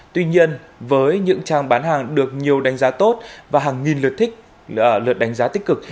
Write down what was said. tuy nhiên với những trang bán hàng được nhiều đánh giá tốt và hàng nghìn lượt thích lượt đánh giá tích cực